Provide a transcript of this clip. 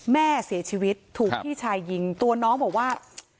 แม่เสียชีวิตถูกพี่ชายยิงตัวน้องบอกว่า